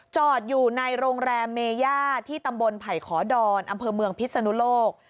จอดอยู่ในโรงแรมเมย่าที่ตำบลไผ่ขอดอนอำเภอเมืองพิษนุโลก